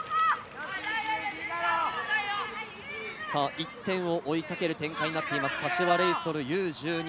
１点を追いかける展開になっています、柏レイソルＵー１２。